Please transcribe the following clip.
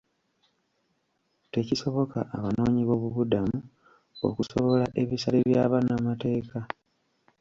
Tekisoboka abanoonyi b'obubudamu okusobola ebisale bya bannamateeka.